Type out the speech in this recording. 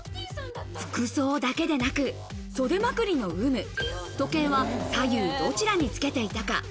服装だけでなく、袖まくりの有無、時計は左右どちらにつけていたか。